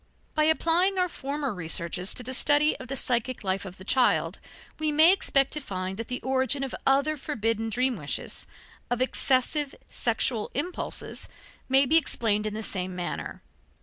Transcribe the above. By applying our former researches to the study of the psychic life of the child, we may expect to find that the origin of other forbidden dream wishes, of excessive sexual impulses, may be explained in the same manner.